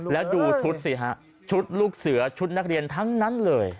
แล้วดูชุดสิฮะชุดลูกเสือชุดนักเรียนทั้งนั้นเลย